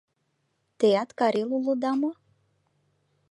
— Теат карел улыда мо?